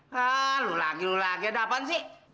hah lo lagi lagi ada apaan sih